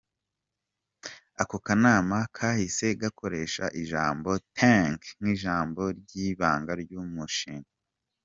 Ako Kanama kahise gakoresha ijambo “Tank” nk’ijambo ry’ibanga ry’uwo mushinga.